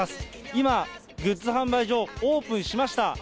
今、グッズ販売所、オープンしました。